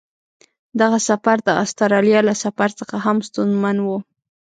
دغه سفر د استرالیا له سفر څخه هم ستونزمن و.